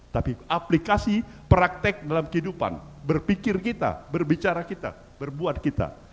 tapi aplikasi praktek dalam kehidupan berpikir kita berbicara kita berbuat kita